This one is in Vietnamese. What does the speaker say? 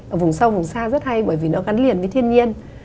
ở vùng sâu vùng xa rất hay bởi vì nó gắn liền với thiên nhiên